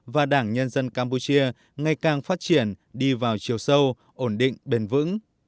và đảng nhân dân campuchia ngày càng phát triển đi vào chiều sâu ổn định bền vững